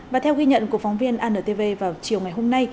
và theo ghi nhận của phóng viên antv vào chiều ngày hôm nay